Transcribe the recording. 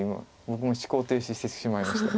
僕も思考停止してしまいました。